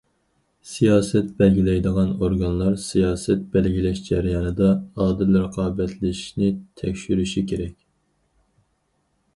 سىياسەت بەلگىلەيدىغان ئورگانلار سىياسەت بەلگىلەش جەريانىدا ئادىل رىقابەتلىشىشنى تەكشۈرۈشى كېرەك.